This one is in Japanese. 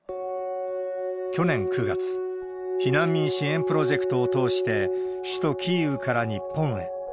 去年９月、避難民支援プロジェクトを通して、首都キーウから日本へ。